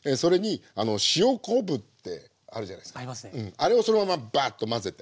あれをそのままバーッと混ぜて。